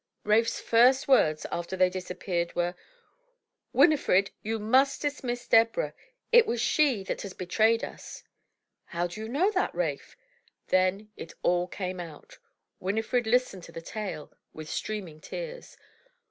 Rafe's first words after they disappeared were, — "Winifred, you must dismiss Deborah. It is she that has betrayed us." "How do you know that, Rafe?" Then it all came out. Winifred listened to the tale with streaming tears.